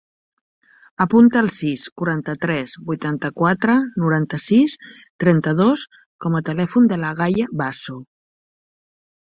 Apunta el sis, quaranta-tres, vuitanta-quatre, noranta-sis, trenta-dos com a telèfon de la Gaia Bazo.